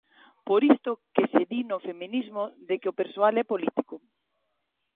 Por isto que se di no feminismo de que o persoal é político.